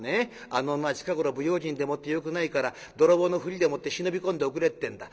あの女は近頃不用心でもってよくないから泥棒のふりでもって忍び込んでおくれってんだ。